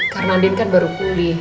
karena adin kan baru pulih